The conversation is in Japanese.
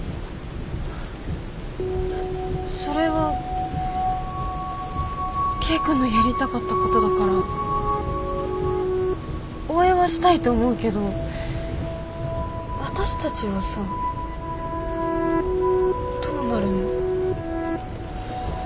それは景君のやりたかったことだから応援はしたいと思うけど私たちはさどうなるの？